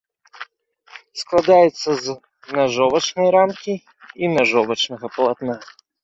Складаецца з нажовачнай рамкі і нажовачнага палатна.